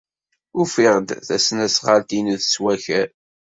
Ufiɣ-d tasnasɣalt-inu tettwaker.